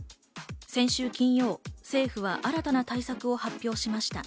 先週金曜、政府は新たな対策を発表しました。